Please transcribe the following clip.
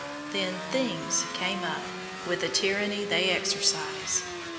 Then "things" came up, with the tyranny they exercise.